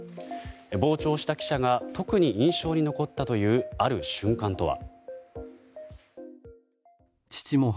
傍聴した記者が特に印象に残ったというある瞬間とは。